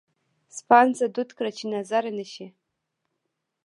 سپانځه دود کړه چې نظره نه شي.